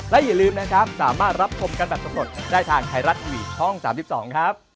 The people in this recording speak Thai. และอย่าลืมนะครับสามารถรับชมกันแบบสำรวจได้ทางไทยรัฐทีวีช่อง๓๒ครับ